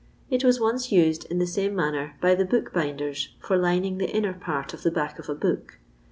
It was once used in the saoM manner by the bookbinders for lining the inner part of the back of a book.